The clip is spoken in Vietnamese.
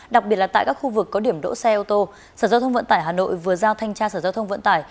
đặc biệt là tại các khu vực có điểm đỗ xe ô tô sở giao thông vận tải hà nội vừa giao thanh tra sở giao thông vận tải